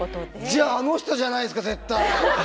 じゃああの人じゃないですか絶対！